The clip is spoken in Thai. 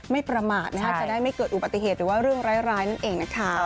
ประมาทจะได้ไม่เกิดอุบัติเหตุหรือว่าเรื่องร้ายนั่นเองนะคะ